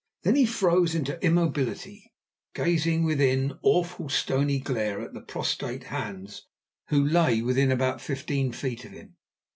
Then he froze into immobility, gazing with an awful, stony glare at the prostrate Hans, who lay within about fifteen feet of him.